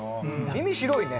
耳白いね。